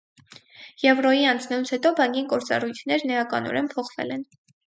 Եվրոյի անցնելուց հետո բանկի գործառույթներն էականորեն փոխվել են։